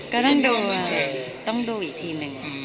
ก็ต้องดูอีกทีหนึ่ง